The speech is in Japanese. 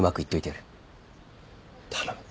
頼む。